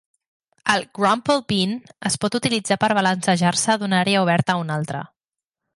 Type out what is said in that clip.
El "Grapple Beam" es pot utilitzar per balancejar-se d'una àrea oberta a una altra.